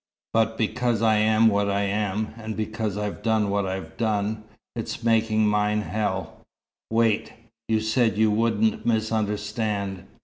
But because I am what I am, and because I've done what I have done, it's making mine hell. Wait you said you wouldn't misunderstand!